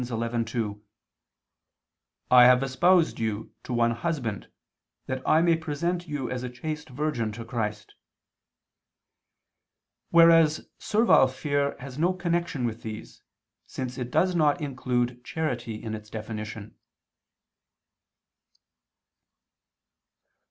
11:2, "I have espoused you to one husband, that I may present you as a chaste virgin to Christ": whereas servile fear has no connection with these, since it does not include charity in its definition.